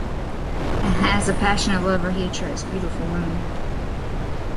As a passionate lover, he attracts beautiful women.